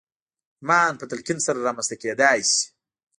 ايمان په تلقين سره رامنځته کېدای شي.